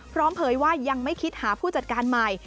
เผยว่ายังไม่คิดหาผู้จัดการใหม่